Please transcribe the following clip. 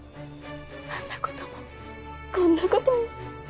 あんなこともこんなことも。